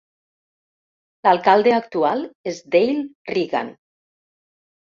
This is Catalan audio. L'alcalde actual és Dale Reagan.